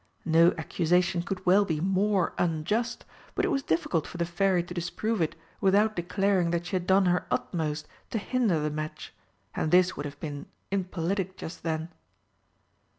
No accusation could well be more unjust, but it was difficult for the Fairy to disprove it without declaring that she had done her utmost to hinder the match and this would have been impolitic just then.